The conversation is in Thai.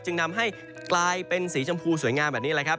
นำให้กลายเป็นสีชมพูสวยงามแบบนี้แหละครับ